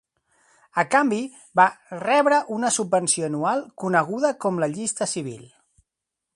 A canvi, va rebre una subvenció anual coneguda com la llista civil.